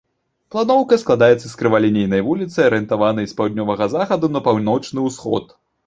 Планоўка складаецца з крывалінейнай вуліцы, арыентаванай з паўднёвага захаду на паўночны ўсход.